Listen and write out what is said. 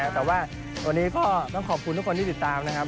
แต่ว่าวันนี้ก็ต้องขอบคุณทุกคนที่ติดตามนะครับ